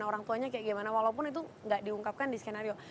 orang tuanya kayak gimana walaupun itu nggak diungkapkan di skenario